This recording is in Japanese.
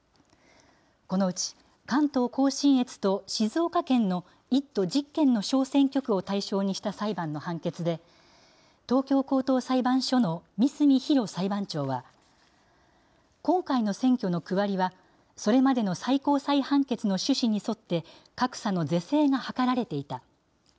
このうち関東甲信越と静岡県の１都１０県の小選挙区を対象にした裁判の判決で、東京高等裁判所の三角比呂裁判長は、今回の選挙の区割りは、それまでの最高裁判決の趣旨に沿って、格差の是正が図られていた。